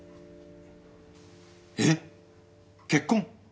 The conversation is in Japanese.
えっ結婚？